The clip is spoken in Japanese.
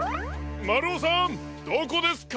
まるおさんどこですか？